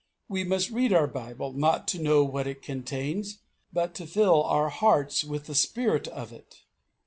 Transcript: We must read our Bible, not to know what it contains, but to fill our hearts with the spirit of it."